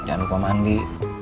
jangan luka mandi